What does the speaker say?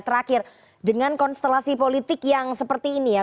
terakhir dengan konstelasi politik yang seperti ini ya